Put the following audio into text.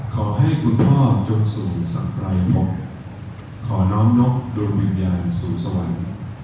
ขอให้คุณพ่อจงสู่สังปรายศขอน้อมนกดวงวิญญาณสู่สวรรค์